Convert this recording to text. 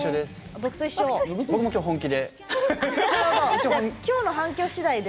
僕も今日、本気で。